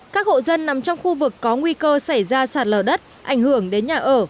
các hộ dân nằm trong khu vực có nguy cơ xảy ra sạt lở đất ảnh hưởng đến nhà ở